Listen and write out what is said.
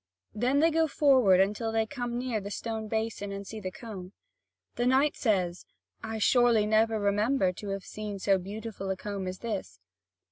Then they go forward until they come near the stone basin and see the comb. The knight says: "I surely never remember to have seen so beautiful a comb as this."